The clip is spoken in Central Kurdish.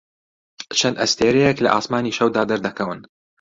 چەند ئەستێرەیەک لە ئاسمانی شەودا دەردەکەون.